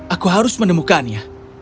aku harus menemukannya